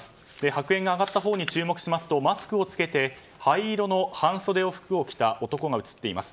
白煙が上がったほうに注目しますと、マスクを着けて灰色の半袖の服を着た男が映っています。